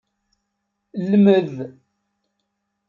Lmed.